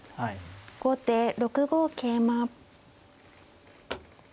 後手６五桂馬。